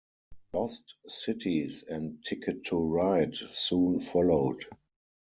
"Lost Cities" and "Ticket to Ride" soon followed.